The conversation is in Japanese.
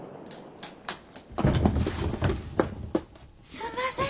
・すんません。